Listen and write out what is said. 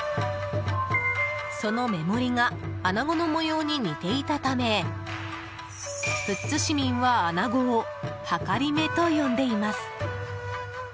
その目盛りがアナゴの模様に似ていたため富津市民は、アナゴをはかりめと呼んでいます。